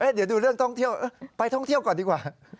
เดี๋ยวดูเรื่องท่องเที่ยวไปท่องเที่ยวก่อนดีกว่า